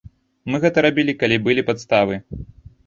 Мы гэта рабілі, калі былі падставы.